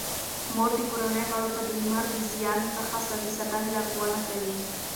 مور د کورنۍ غړو ته د لمر د زیان څخه د ساتنې لارښوونه کوي.